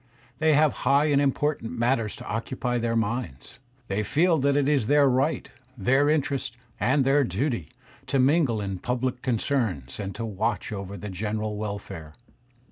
They have high and important matters to occupy their minds. They feel that it is their right, their interest, and their duty, to mingle in pubUc concerns, and to watch over the general welfare.